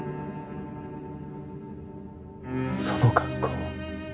その格好